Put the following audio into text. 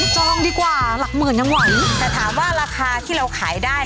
จองดีกว่าหลักหมื่นยังไหวแต่ถามว่าราคาที่เราขายได้